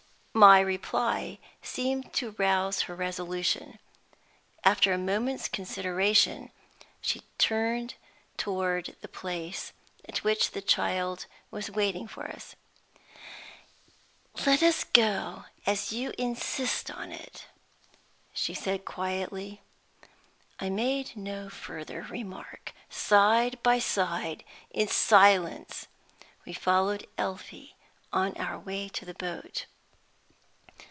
My reply seemed to rouse her resolution. After a moment's consideration, she turned toward the place at which the child was waiting for us. "Let us go, as you insist on it," she said, quietly. I made no further remark. Side by side, in silence we followed Elfie on our way to the boat.